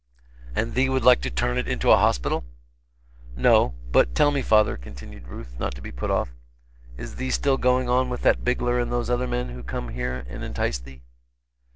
"And thee would like to turn it into a hospital?" "No. But tell me father," continued Ruth, not to be put off, "is thee still going on with that Bigler and those other men who come here and entice thee?"